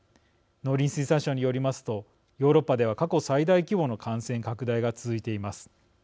農林水産省によりますとヨーロッパでは過去最大規模の感染拡大が続いています。